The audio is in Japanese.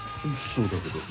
そうだけど。